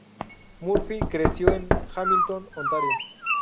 Murphy creció en Hamilton, Ontario.